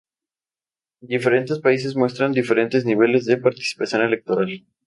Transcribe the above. Diferentes países muestran diferentes niveles de participación electoral.